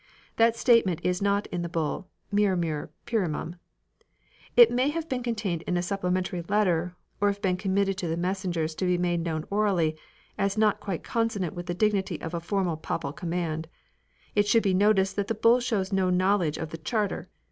That statement is not in the Bull "Miramur plurimum ". It may have been contained in a supple mentary letter, or have been committed to the messen gers to be made known orally, as not quite consonant with the dignity of a formal papal command. It should be noticed that the Bull shows no knowledge of the Charter.